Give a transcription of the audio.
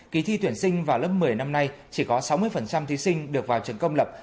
kỳ thi tuyển sinh vào lớp một mươi năm nay chỉ có sáu mươi thí sinh được vào trường công lập